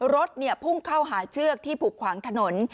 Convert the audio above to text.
รถพุ่งเข้าหาเชือกที่ผูกขวางถนน